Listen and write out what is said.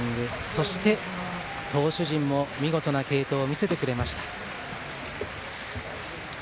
そして、投手陣も見事な継投を見せてくれました。